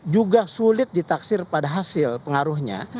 juga sulit ditaksir pada hasil pengaruhnya